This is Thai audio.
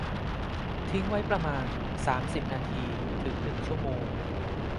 ทิ้งไว้ประมาณ สามสิบ นาที ถึง หนึ่ง ชั่วโมง